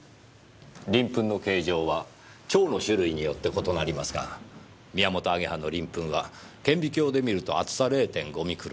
鱗粉の形状は蝶の種類によって異なりますがミヤモトアゲハの鱗粉は顕微鏡で見ると厚さ０．５ミクロン。